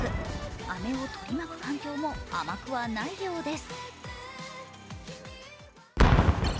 飴を取り巻く環境も甘くはないようです。